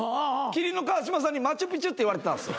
麒麟の川島さんにマチュピチュって言われてたんす。